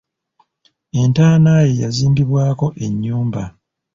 Entaana ye yazimbibwako ennyumba.